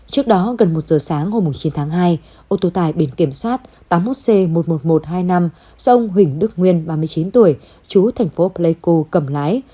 trước đó gần một giờ sáng hôm chín tháng hai ô tô tải biển kiểm soát tám mươi một c một mươi một nghìn một trăm hai mươi năm do ông huỳnh đức nguyên ba mươi chín tuổi chú thành phố pleiku cầm lái